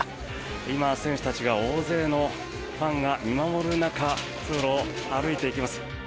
今、選手たちが大勢のファンが見守る中通路を歩いていきます。